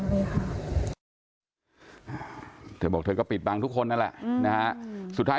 เลยค่ะเธอบอกเธอก็ปิดบังทุกคนนั่นแหละนะฮะสุดท้าย